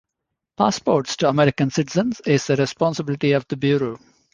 Passports to American citizens is the responsibility of the Bureau.